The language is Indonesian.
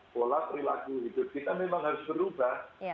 pola perilaku hidup kita memang harus berubah